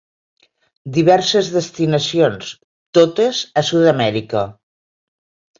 Diverses destinacions, totes a Sudamèrica.